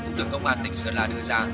cũng được công an tỉnh sơn la đưa ra